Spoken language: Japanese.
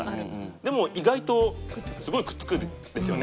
でも意外とすごいくっつくんですよね。